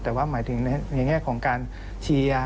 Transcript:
แต่ว่าหมายถึงในแง่ของการเชียร์